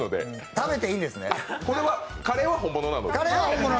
食べていいんですね、カレーは本物ね。